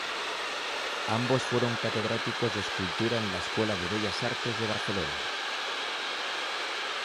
Ambos fueron catedráticos de escultura en la Escuela de Bellas Artes de Barcelona.